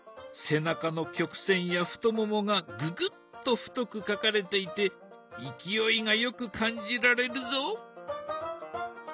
背中の曲線や太ももがぐぐっと太く描かれていて勢いがよく感じられるぞ。